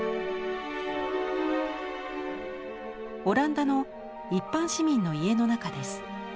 オランダの一般市民の家の中です。